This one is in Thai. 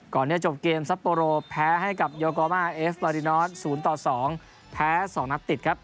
ก่อนนี้จบเกมซัปโปโรแพ้ให้กับโยโกมาเอฟลาดินอส๐ต่อ๒แพ้๒นัดติดครับ